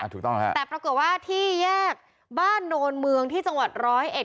ถูกต้องฮะแต่ปรากฏว่าที่แยกบ้านโนนเมืองที่จังหวัดร้อยเอ็ด